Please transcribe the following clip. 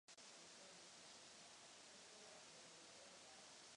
Povrch je dosti členitý.